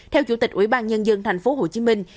theo chủ tịch ủy ban nhân dân thành phố hồ chí minh